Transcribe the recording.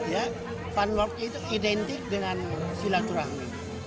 ya fun walk itu identik dengan silaturahmi